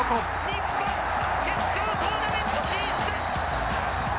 日本、決勝トーナメント進出！